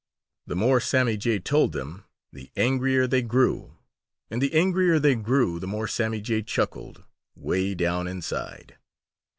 The more Sammy Jay told them, the angrier they grew; and the angrier they grew, the more Sammy Jay chuckled, way down inside.